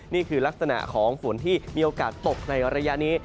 นี่คือลักษณะของฝนที่มีโอกาสตกในระยะนี้